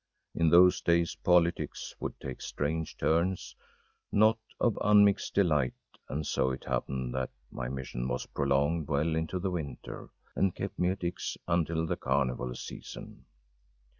In those days politics would take strange turns, not of unmixed delight, and so it happened that my mission was prolonged well into the winter, and kept me at X. until the carnival season.